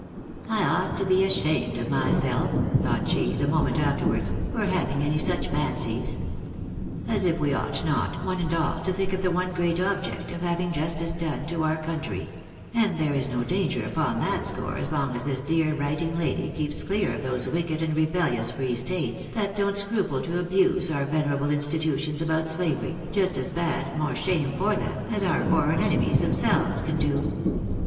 " I ought to be ashamed of myself," thought she, the moment afterwards, " for having any such fancies. As if we ought not, one and all, to think of the one great object of having justice done to our country ; and there is no danger upon that score as long as this dear writing lady keeps clear of those wicked and rebellious free states that don't scruple to abuse our venerable institutions about slavery, just as bad, more shame for them, as our foreign enemies themselves can do."